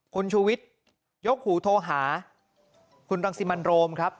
คุณชูวิทยกหูโทรหาคุณรังสิมันโรมครับ